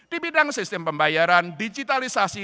di bidang sistem pembayaran digitalisasi